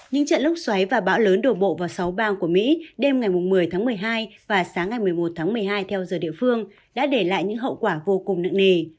những trận lốc xoáy và bão lớn đổ bộ vào sáu bang của mỹ đêm ngày một mươi tháng một mươi hai và sáng ngày một mươi một tháng một mươi hai theo giờ địa phương đã để lại những hậu quả vô cùng nặng nề